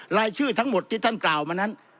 รายชื่อทั้งหมดที่ท่านกล่าวมานั้น